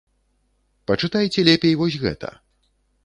Пачытайце лепей вось гэта.